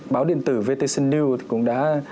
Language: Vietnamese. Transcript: báo điện tử vtc news cũng đã